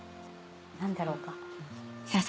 何だろうか？